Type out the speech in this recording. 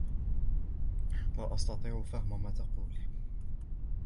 لا أستطيع فهم ما تقول.